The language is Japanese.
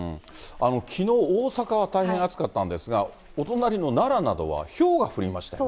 きのう、大阪は大変暑かったんですが、お隣の奈良などはひょうが降りましたよね。